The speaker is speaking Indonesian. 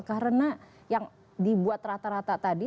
karena yang dibuat rata rata tadi